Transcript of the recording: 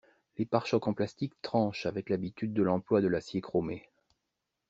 Les pare-chocs en plastique tranchent avec l'habitude de l'emploi de l'acier chromé.